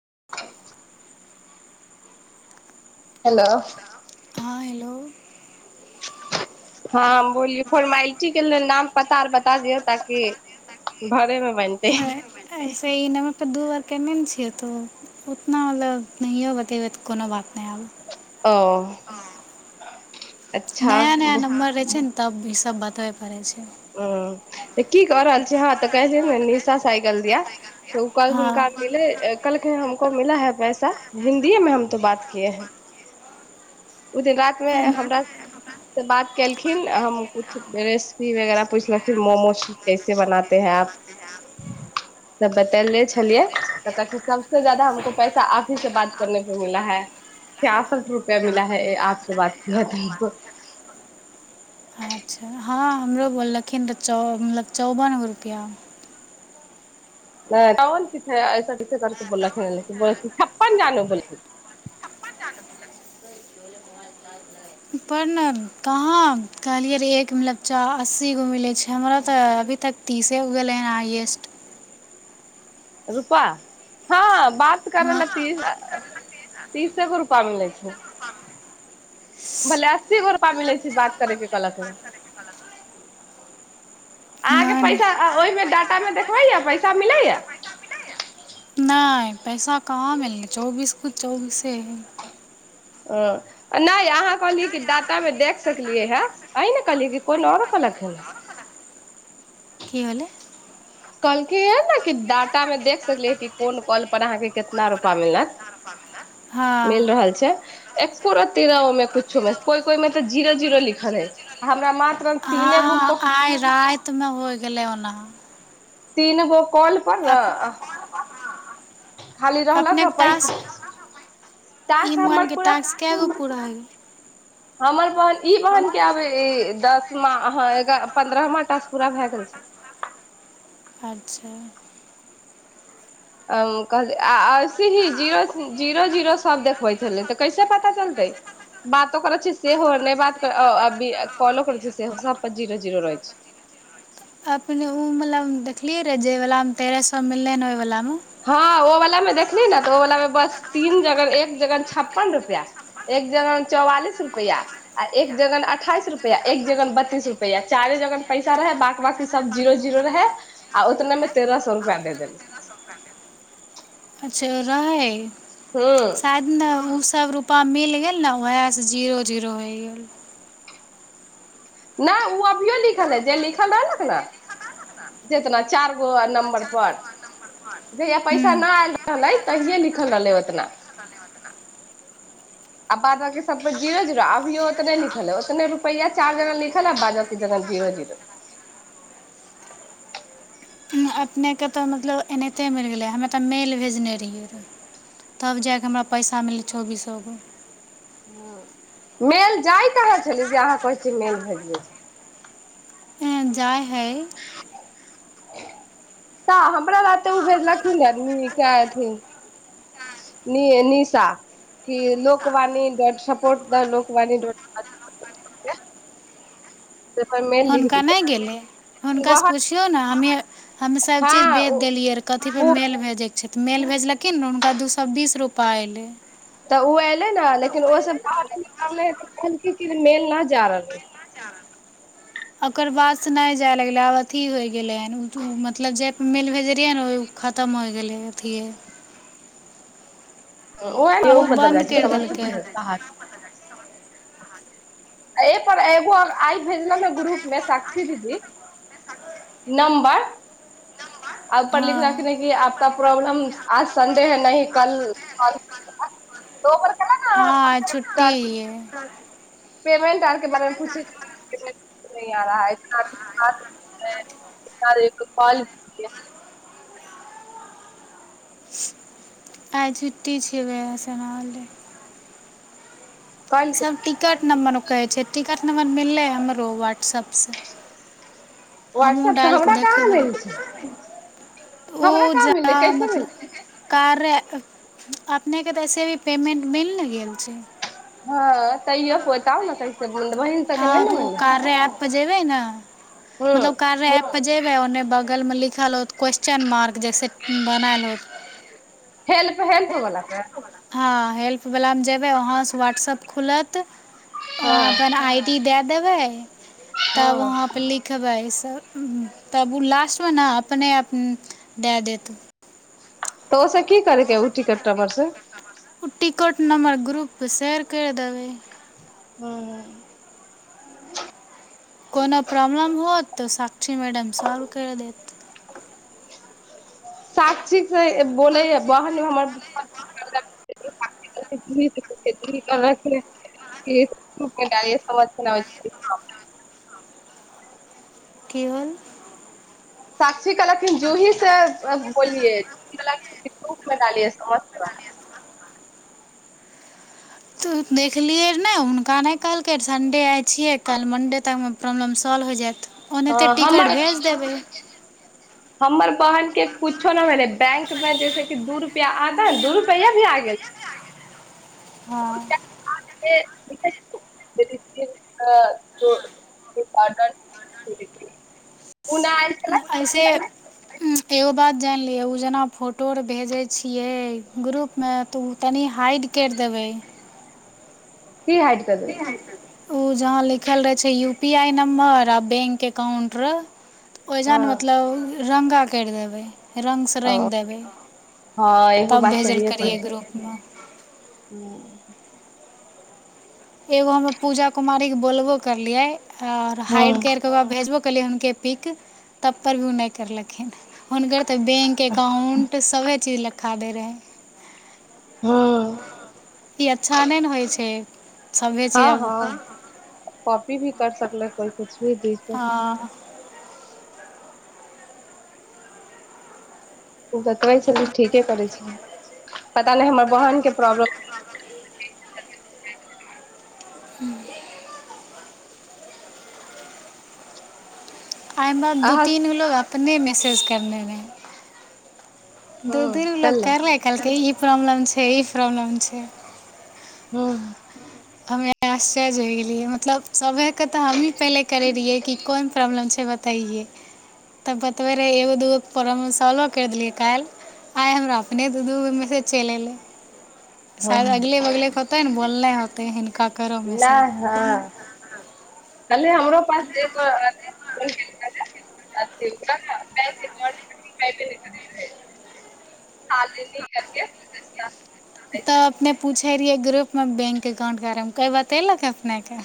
[unintelligible] Hello हँ hello हँ बोलिय फोर्माइलटी के लेल नाम पता आर बता दियौ ताकि भड़ेमे [unintelligible] तऽ ई नम्बर पर दू बार केने न छियै तो उतना मतलब नहियो बतेबै तऽ कोनो बात नइ आब ओ अच्छा नया नया ह नम्बर रहे छै न तब ई सब बतबे पड़े छै ह तऽ की क रहल छी हँ तऽ कइले न निशा साइकल दिया [unintelligible] तऽ ओ कहनखिन हँ काम मिलै कहलखिन्ह हमको मिला है पैसा हिन्दीए मे हम तो बात किए है ओ दिन रति मे हमरा से बात केलखिन हम कुछ रेसिपी वगैरह पुछलखिन मोमोज सब कैसे बनाते है आप त बतेले छलियै तऽ कहलथिन सबसे जादा हमको पैसा आप ही से बात करने पे मिल है छियासठ रुपया मिला है ह आपसँ बात क तो अच्छा हँ हमरो बोललखिन तऽ चौ मतलब चौबन गो रुपैआ नहि इकाबन की से ऐसा करके बोलखिन उलखिल छप्पन जानो बोलखिन पर ने कहाँ कहलियै रहै एकमे लच्चा अस्सी गो मिलैत छै हमरा तऽ अभी तक तीसे हो गेलै हन हाइएस्ट रुपा हँ बात करै हँ लए तीस तीसे गो रुपा मिलै छै भले अस्सी गो रूपा मिलै छै बात करे के कहलक हँ ने अहाँके नहि नहि पैसा ओहिमे डाटा मे देखबै यऽ पैसा मिलै यऽ नहि पैसा कहाँ मिललै चौबीस क चौबीसे हई ह नहि अहाँ कहलियै कि दाँतामे देख सकलियै हे अही ने कहलियै कि कोन आओरो कहलक हन की हलेय कहलखिन हे ने कि डाटा मे देख सकली है कि कोन कॉल पर अहाँके कितना रूपा मिलत हँ मिल रहल छै एगोरती रोऊ कुछ मे तेरह ओ में कुछो मे कोई कोई में त जीरो जीरो लिखल है हमरा मात्र तीने गुक हँ आइ रातिमे होइ गेलै ओना तीन गो कल पर न अप अपनेके पैसा टास्क ई टास्क हमर मोबाइलके पूरा टास्क कए गो पूरा होइ गेल हमर बन ई बहनके आब दसमा ह एग पन्द्रहमा टास पूरा भए गेल छै अच्छा कह आ ऐसे ही जीर जीरो जीरो सभ देखबै छलै तऽ कैसे पता चलतै बातो करैत छै सेहो नहि बात कर अभी कॉलो करै छै सेहो सभप जीरो जीरो रहैत छै अपने ओ मतलब देखलियै रे जे वाला मे तेरह सए मिलले ह ओहि वाला हँ ओ वला देखली ने ओ व मे बस तीन ज ज छप्पन रुप एक जग चौवालिस रुपआ आ एक जगन अठाइस रुपआ एक जगन बत्तीस रुपआ चार जग पैसा रहे बाक बाकी सब जीरो जीरो रहे आ उतने मे तेरह सए रुपआ दे देली अच्छा रहैय ह शायद न त ओ सब रुपा मिल गेल ने वएहसँ जीरो जीरो होइ गेल नहि ओ अभियो लिखल है जे लिखल रहलक ने जितना चार गो नमबर पर जहिय पैसा हूँ नहि आयल रहलै तहिे लिखल रहलै ओतना आ बाद बकी सब जीरो जीरो अभियोने लिखल हतने रुप चार ज लिखल है बाद ब जीरो जीरो अपनेके तऽ मतलब एनाहिते मरि गेलै हमे तऽ मेल भेजने रहियै रहै तब जााकऽ हमरा पैसा मिलल चौबीसएगो ह मेल जाइतके अहाँ छली जे अहाँ कहै छिय मेल भेज दै छल। जाइ हय तऽ हमरा लग तऽ ओ भेजलखिनदमी के हथिन नि निशा कि Lokvani dot support the Lokvani dot हुनका नहि गेलै हुनकासँ वह पुछिियौ ने हमे ह सभचीज हँ भेच ओ देलियै रहऽ कथीपर मेल भेजयके तऽ मेल भेजलखिन ने हुनका दू सए बीस रुपैआ अयलै। तऽ ओ एलै ने लेकिन ओसभ बाहरलै तऽ कहलिन कि मेल नहि जा रहलै। ओकर बादसँ नहि जाय लगलै आब अथी होय गेलै हन मतलब जाहिप मेल भेजेलहियै ने ओ खतम होय गेलै अथिए। ओ य आब बदल बन्द जाय छै करि समझ सें देलकै बाहर एहि पर एगो आइ भेजलो ने ग्रुप मे साक्षी दीदी नम्बर आ ओपर हँ लिखलखिन क आपक प्रॉब्लम आज सडे है न कल कहला न अपन हाँ छुट्टी पेपेंट आर कें बारेमे पूैछै नै आरहा है इतना देर कॉल की है आइ छुट्टी छबै सेनालै। कॉल के सब टिकट नमबर उ कहे छै टिकट नमबर मिलले हमर व्ट्सअप हमहूँ व्हाट्सएप से डालि कऽ हमरा कहाँ देखेबै। मिल छै तऽ ओ हमरा कहाँ जा मिललै कैसे मिलल मतलब कार्य अपनेक तैसे भी पेमेन्ट मिल न गया छय हँ तैयो बताउ ने कैसे? बहिन सबके हँ नहि ने तऽ ओ मिललै कार्य ऐपपर जयबै ने ह मतलब कार्य ऐपपर जेयबै ओन्ने बगलमे लिखल होत क्वेश्चन मार्क जैसे बनायल होत। हेल्प हेल्प बला पर। हँ हेल्प बलामे जेबै वहाँसँ व्हाट्सएप खुलत ओहाँ हँ पर आइ डी देत। देबै तब हँ वहाँपर लिखबै। त तब ओ लास्टमे ने अपने आप दए देत। तऽ ओस की करैके ह उ टिकट टबर से उटिकट न हमर ग्रूप म सेर कर देबै। हुँ कोनो प्रॉब्लम होत तऽ साक्षी मैडम सोल्व कर दत साक्षी से बोलै बहन हमर ग्रुप मे जाइए समझ की होल। साक्षी कहलखिन जूही से बोलिये जूही कहलकिन ग्रुप मे डालियै समस्त मामला तू देखलिये र ने हुनका नहि कहलके संडे आ। छियै कल् मंडे तक मे प्रॉब्लम सॉल हो जायत ओने त हँ टिकट हमर भेज देबै हमर बहनके कुछो नहि भेलै बैंकमे जैसे कि दू रुपैआ आ द दू रुपैआ भी आ गेल हँ ओ नहि आइल छलाह ऐसे एगो बात जानलियै ओ जेना फोटो आर भेजै छियै ग्रुपमे तऽ ओ तनि हाइड करि देबै क हइड कऽ देबै ओ जहाँ लिखल रहै छै यू पी आई नम्बर आ बैंक एकाउंट र ओ जन मतलब करि देबै रङ्गसँ रङ्ग ओ देबै हँ एगो तब बात भेज ले सहिए करियै कहै ग्रुपमे हँ एगो हमे पूजा कुमारी के बोलबो करलियै आऔर हाइड हँ करके भेजबो केलियै हुनके पिक तब पर भी उ नइ करलथिन तऽ बैंक एककाउंट सभे चीज लखा दै रहै हँ ई अच्छा नहि ने होइ छै सभे चीज हँ आब हँ कॉपी भी कर सकलै कोइ किुछ ही दिक्कत हँ उ बतबै छलि ठीके करै छलि पता नहि हमर बहनके प्रॉब्लम हू आई हमरा दू अहाँ तीनगो अपने मैसेज करने मे दू तीन हँ गो लोक करलै कहलकै ई प्रॉब्लम छै ई प्रॉब्लम छै हूँ हमे आश्च्य हो गेलियै मतलब सबे कऽ तऽ हमही पहिले करैलियै की कोन प्रॉब्लम छै छै बतैयै तऽ बतबै रहै एगो दूगोक प्रॉब्लम सॉल्वो करि देलियै काइल आइ हमरा अपने दू दू गो मैसेज चलि एयलै शायद हँ अगले बगले के होतेै न बोलने होत होतइ हिनका करो मैसेज नहि हँ कल्हे हमरो पास एगो [unintelligible] बैंक एकाउंट परति पाइपे नई करैत रहैय ऐसे। तऽ अपने पूछे रहियै ग्रुप म बैंक एकाउंट कारण कई बतेलक अप ने कऽ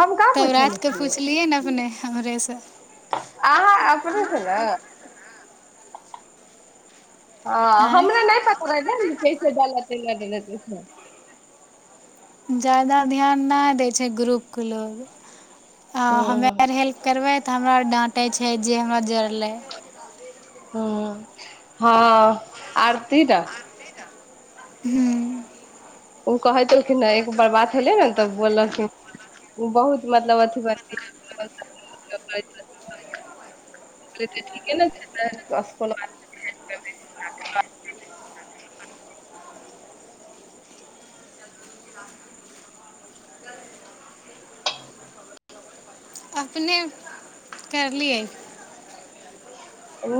हम कहाँ तब रात पूछने के पुछलियै न अपने हमरे सँ आह अपने सँ नऽ ह आँय हमरा नहि पता रहै नइ बझे छिये कैसे डलेतै न डलेतै [unintelligible] जादा ध्यान न दै छै ग्रुप के लोग आ ह हमे अर हेल्प करबै तऽ हमरा आर डाँटै छै जे हमरा जड़लै हू हँ आरती टाऽ हूँ कहैतखिन एक ब बात होलै ने तऽ बोललखिन बहुत मतलब अथि [unintelligible] अपने करलिए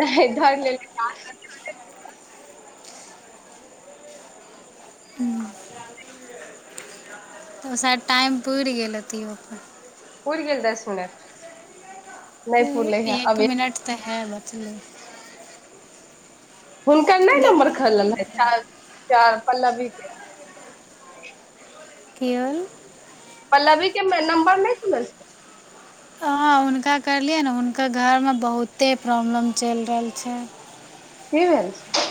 नहि धर लेले [unintelligible] ऽ ओस टाइम पुरि गेल तिहो उड़ गेल दस मिनट नहि पुरलै हे एक अभी मिनट तऽ हे बचले हुनकर नहि नम्बर खेलल है चार चार पल्लवी के कियल पल्लवीके नम्बर नहि खुल्ल छै ह उनका कर लियअ ने हुनका के घर मे बहुते प्रॉब्लम चलि रहल छै की भेल छै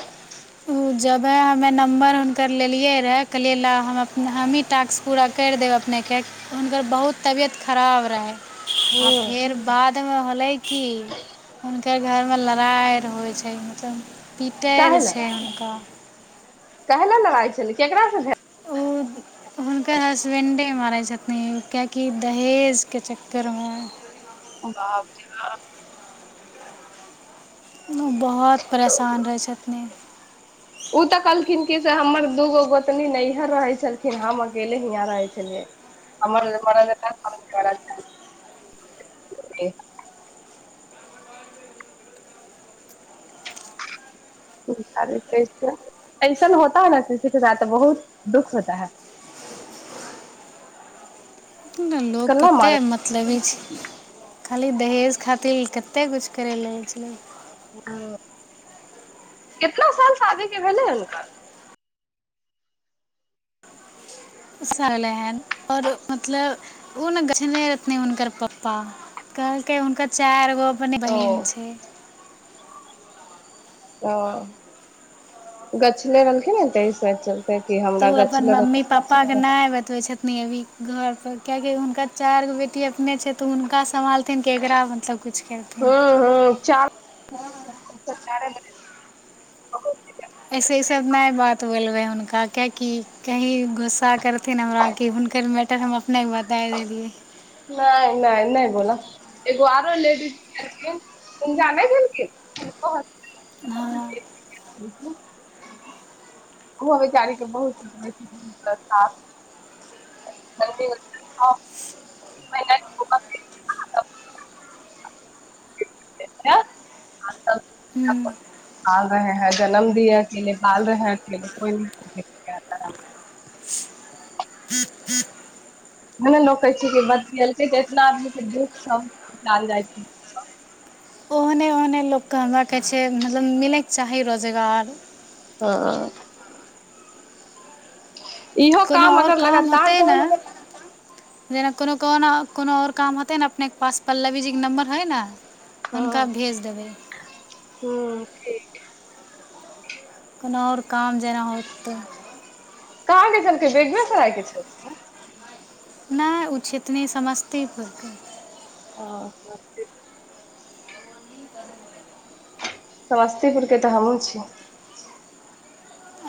ओ जब ह हमे नम्बर हुनकर लेलियै रहऽ कहलियै लऽ हम हमहीँ टास्क पूरा करि देब अपनेके हुनकर बहुत तबियत खराब रहै आ ह फेर बाद त हलै की हुनकर घरमे लड़ाइ होइ छै मतलब पीटैय आओर छै हाँ काहले लड़ाई छले केकरा सेे ओ हुनकर हसबैंडे मारै छथिन किियकि दहेजके चक्करमे बापरे बाप ओ बहुत बाप परेशान रहै छथिन ओ तऽ कहलखिन कि से हमर दू गो गोतनी नैहर रहै छलखिन हम अकेले हियाँ रहै छलियै हमर ऐसन होता है न किसी के साथ बहुत दुःख होता है ने लोक कल्ला मारे कतेक मतलबी छै खाली दहेज खातिर कतेक किछु करै ल रहै छलै हाँ कितना साल शादीे भेलै हुनका सलै हन आओर मतलब ओ ने गछने रहथिन हुनकर पप्पा कहलकै हुनकर चारि गो उन ओ बहन छै ओ गछले रहलखिन तेइस चलते कि हमरा तू अपन गछले रह मम्मी पापा के नहि बतबै छथिन अपने अभी घरपर किएकि हुनकर चारि गो बेटी अपने छै तऽ हुनका सम्हालथिन ककरा मतलब किछु हुँ करथिन हुँ चार - आ कहल की कहिन गुस्सा करथिन हमरा क हुनकर मैटर हम अपनेके बता देलियै नहि नहि नहि बोला एगो आरो लेडीज छलखिन हुनका नै हँ क़हलकहिन ओ बेचारी बहुत पाल रहे है जन्म दि अेल पाल रहे हैं अ को ह लोक कहै छै कि बतेलकै तऽ इतना आदमी के दुःख जाइ छै अपने मोकामा के छै हमरा कहै छै मतलब मिलैके चाही रोजगार हँ ह इहो कोनो काम आओर अगर होतै लगातार ने जेना कोनो कोना कोनो आओर काम हते ने अपने पास पल्लवी जी के नम्बर है ने हुनका भेज देबै हुँ ठीक कोनो आओर काम जेना होततै कहाँ दिसन कें बेगुसराय के छै नहि ओ छतिन समस्तीपुरके ह समस्तीपुरके तऽ हमहूँ छी